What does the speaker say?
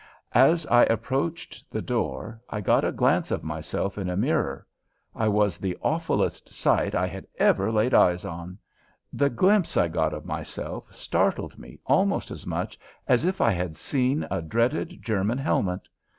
As I approached the door I got a glance at myself in a mirror. I was the awfulest sight I had ever laid eyes on! The glimpse I got of myself startled me almost as much as if I had seen a dreaded German helmet!